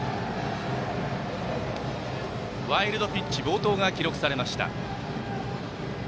ワイルドピッチ暴投が記録されました。